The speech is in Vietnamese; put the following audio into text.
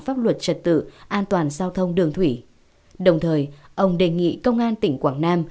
pháp luật trật tự an toàn giao thông đường thủy đồng thời ông đề nghị công an tỉnh quảng nam